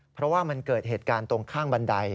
เพราะว่ามันเกิดเหตุการณ์ตรงข้างบันได